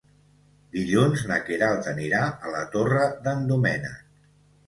Dilluns na Queralt anirà a la Torre d'en Doménec.